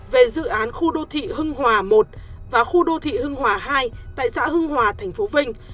về dự án khu đô thị hưng hòa i và khu đô thị hưng hòa hai tại xã hưng hòa tp vinh